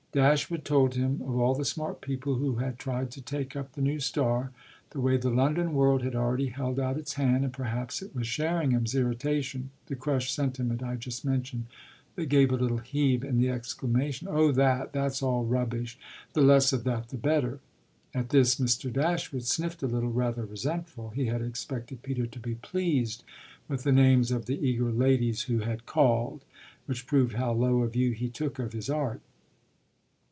Dashwood told him of all the smart people who had tried to take up the new star the way the London world had already held out its hand; and perhaps it was Sherringham's irritation, the crushed sentiment I just mentioned, that gave a little heave in the exclamation, "Oh that that's all rubbish: the less of that the better!" At this Mr. Dashwood sniffed a little, rather resentful; he had expected Peter to be pleased with the names of the eager ladies who had "called" which proved how low a view he took of his art.